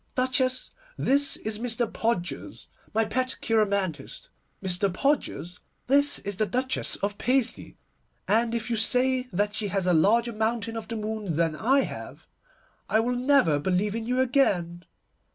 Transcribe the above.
Duchess, this is Mr. Podgers, my pet cheiromantist. Mr. Podgers, this is the Duchess of Paisley, and if you say that she has a larger mountain of the moon than I have, I will never believe in you again.